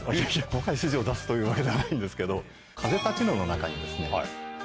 細かい指示を出すというわけではないんですけど『風立ちぬ』の中に。